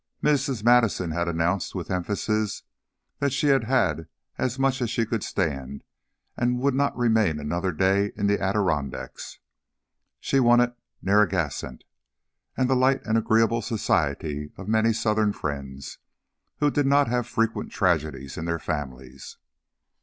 Mrs. Madison had announced with emphasis that she had had as much as she could stand and would not remain another day in the Adirondacks; she wanted Narragansett and the light and agreeable society of many Southern friends who did not have frequent tragedies in their families.